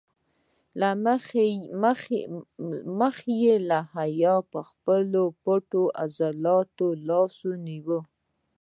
له مخې حیا یې پر خپلو پټو عضلاتو لاس ونیو.